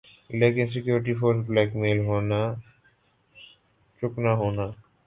لیکن security force blackmail ہونا چکنا ہونا